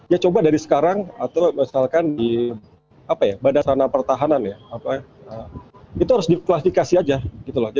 ya coba dari sekarang atau misalkan di apa ya badan sana pertahanan ya itu harus diklasifikasi aja gitu lah